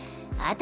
あ。